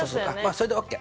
それでＯＫ。